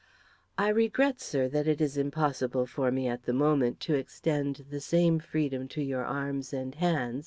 "I regret, sir, that it is impossible for me, at the moment, to extend the same freedom to your arms and hands.